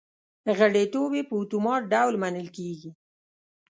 غړیتوب یې په اتومات ډول منل کېږي